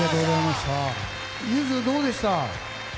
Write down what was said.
ゆず、どうでした？